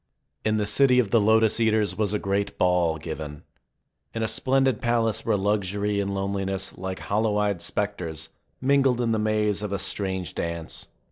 In the city of the Lotus eaters was a great ball given. In a splendid palace where luxury and loneliness, like hollow eyed specters, mingled in the maze of a strange dance.